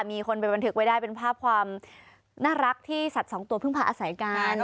มีคนไปบันทึกไว้ได้เป็นภาพความน่ารักที่สัตว์สองตัวเพิ่งพาอาศัยกัน